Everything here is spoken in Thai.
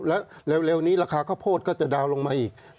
แล้วเร็วนี้ราคาข้าวโพดก็จะดาวน์ลงมาอีก